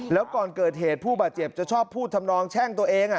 แล้วก่อนเกิดเหตุผู้บาดเจ็บจะชอบพูดทำนองแช่งตัวเอง